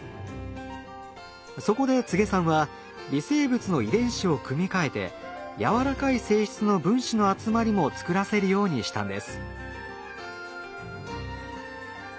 そこで柘植さんは微生物の遺伝子を組み換えてやわらかい性質の分子の集まりも作らせるようにしたんです。